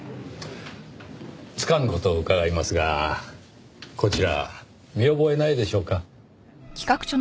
つかぬ事を伺いますがこちら見覚えないでしょうか？